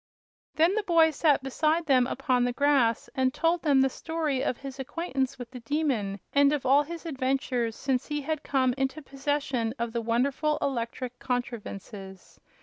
Then the boy sat beside them upon the grass and told them the story of his acquaintance with the Demon and of all his adventures since he had come into possession of the wonderful electric contrivances.